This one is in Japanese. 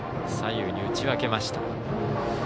左右に打ち分けました。